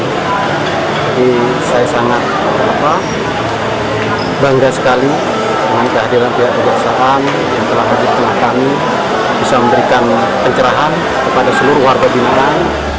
jadi saya sangat bangga sekali dengan kehadiran pihak pihak keselam yang telah berjumpa dengan kami bisa memberikan pencerahan kepada seluruh warga binganan